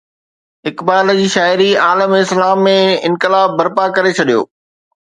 اقبال جي شاعري عالم اسلام ۾ انقلاب برپا ڪري ڇڏيو.